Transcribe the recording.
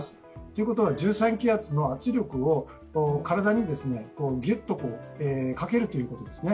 ということは１３気圧の圧力を体にぎゅっとかけるということです。